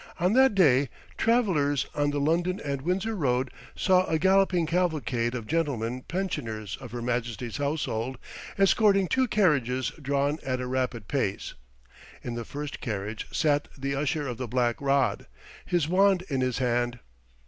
On that day, travellers on the London and Windsor road saw a galloping cavalcade of gentlemen pensioners of her Majesty's household escorting two carriages drawn at a rapid pace. In the first carriage sat the Usher of the Black Rod, his wand in his hand.